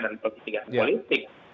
dan pendidikan politik